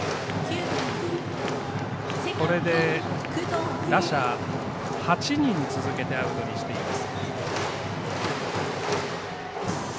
これで、打者８人続けてアウトにしています。